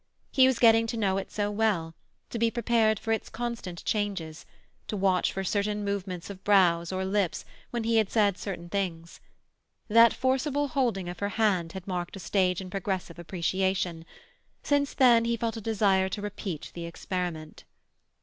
He was getting to know it so well, to be prepared for its constant changes, to watch for certain movements of brows or lips when he had said certain things. That forcible holding of her hand had marked a stage in progressive appreciation; since then he felt a desire to repeat the experiment.